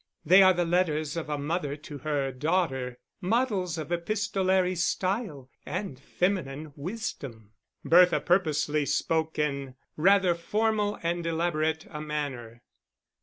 They are the letters of a mother to her daughter, models of epistolary style and feminine wisdom." Bertha purposely spoke in rather formal and elaborate a manner.